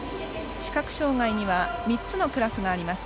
視覚障がいには３つのクラスがあります。